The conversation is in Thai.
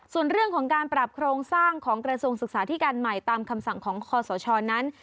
ส่วนเรื่องของการปรับโครงสร้างของกระทรวงศึกษาที่การใหม่ตามคำสั่งของคอสชนั้น